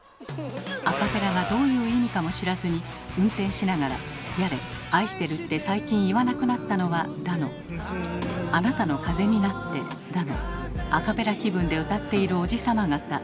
アカペラがどういう意味かも知らずに運転しながらやれ「愛してるって最近言わなくなったのは」だの「あなたの風になって」だのアカペラ気分で歌っているおじさま方。